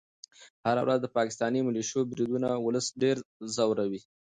هره ورځ د پاکستاني ملیشو بریدونه ولس ډېر ځوروي.